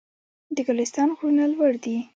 د ګلستان غرونه لوړ دي